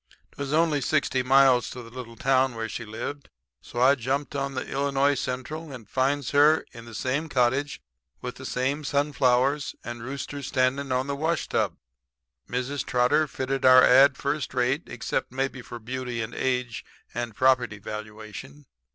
"'Twas only sixty miles to the little town where she lived, so I jumped out on the I. C. and finds her in the same cottage with the same sunflowers and roosters standing on the washtub. Mrs. Trotter fitted our ad first rate except, maybe for beauty and age and property valuation.